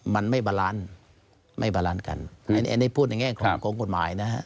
มันไม่บาลานซ์กันอันนี้พูดในแง่ของกฎหมายนะฮะ